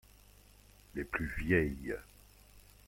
Les plus vieilles.